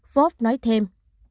forbes nói thêm